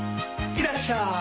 いらっしゃい！